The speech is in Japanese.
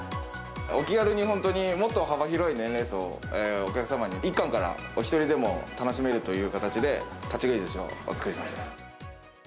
お気軽に本当に、もっと幅広い年齢層、お客様に１貫からお１人でも楽しめるという形で、立ち食いずしをお作りしました。